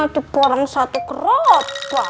diborong satu kerobak